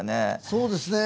そうですね。